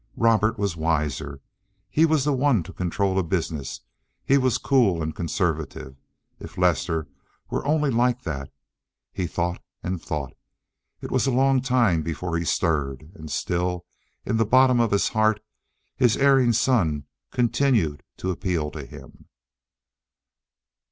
Robert was wiser. He was the one to control a business. He was cool and conservative. If Lester were only like that. He thought and thought. It was a long time before he stirred. And still, in the bottom of his heart, his erring son continued to appeal to him.